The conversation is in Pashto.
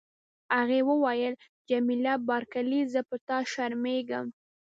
هغې وویل: جميله بارکلي، زه په تا شرمیږم.